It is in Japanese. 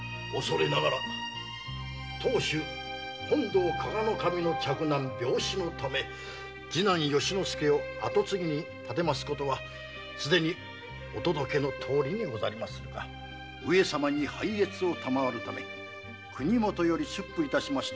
当主本堂加賀守の嫡男病死のため次男由之助を跡継ぎに立てます事はすでにお届けのとおりにござりますが上様に拝謁賜るため国元より出府致しました